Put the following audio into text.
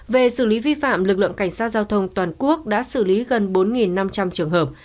về xử lý vi phạm lực lượng cảnh sát giao thông toàn quốc đã xử lý gần bốn năm trăm linh trường hợp